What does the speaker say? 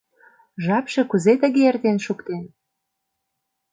Жапше кузе тыге эртен шуктен?..